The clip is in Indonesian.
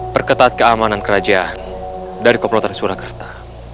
perketat keamanan kerajaan dari komplotan surakarta